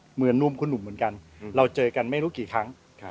หนุ่มคุณหนุ่มเหมือนกันเราเจอกันไม่รู้กี่ครั้ง